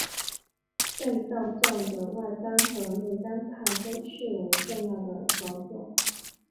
被道教的外丹和内丹派都视为重要的着作。